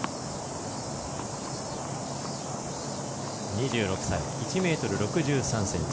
２６歳、１ｍ６３ｃｍ。